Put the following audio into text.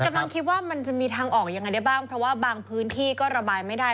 กำลังคิดว่ามันจะมีทางออกยังไงได้บ้างเพราะว่าบางพื้นที่ก็ระบายไม่ได้